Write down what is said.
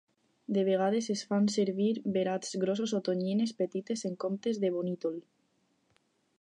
De vegades es fan servir verats grossos o tonyines petites en comptes de bonítol.